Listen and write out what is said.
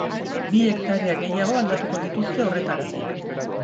Bi hektarea gehiago aldatuko dituzte, horretarako.